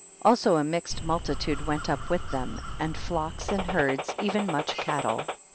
2. Also a mixed multitude went up with them, and flocks and herds, even much cattle.